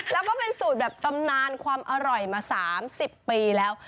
แล้วก็เป็นสูตรแบบตำนานความอร่อยมา๓๐ปีแล้ว